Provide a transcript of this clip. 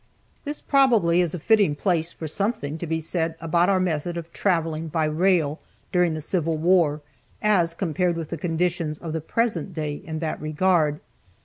This probably is a fitting place for something to be said about our method of traveling by rail during the Civil war, as compared with the conditions of the present day in that regard.